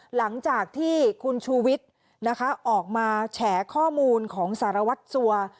หลังจากที่คุณชูวิทย์นะคะออกมาแฉข้อมูลของสารวัตรสัว